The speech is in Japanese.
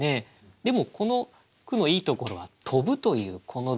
でもこの句のいいところは「跳ぶ」というこの動詞ですね。